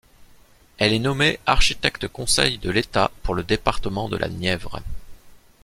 Elle est nommée architecte-conseil de l'État pour le département de la Nièvre.